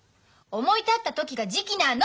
思い立った時が時期なの！